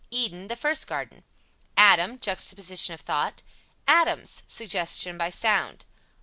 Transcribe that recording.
Eden The first garden. Adam Juxtaposition of thought. ADAMS Suggestion by sound.